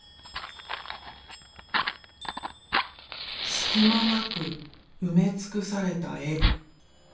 隙間なく埋め尽くされた絵。